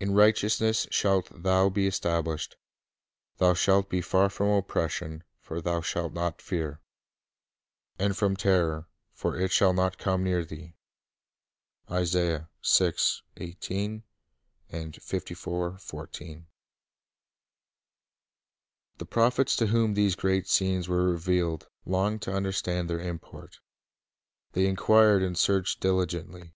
'• In righteousness shalt thou be established: Thou shalt be far from oppression ; for thou shalt not fear : And from terror; for it shall not come near thee."" 1 The prophets to whom these great scenes were revealed longed to understand their import. They "inquired and searched diligently